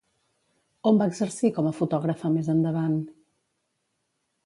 On va exercir com a fotògrafa més endavant?